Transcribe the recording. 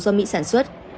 do mỹ sản xuất